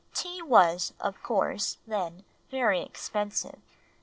Tea was, of course, then very expensive.